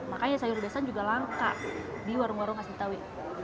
makanya sayur besan juga langka di warung warung khas betawi